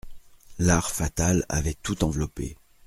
L'art fatal avait tout enveloppé.